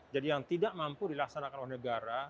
jadi yang tidak mampu dilaksanakan oleh negara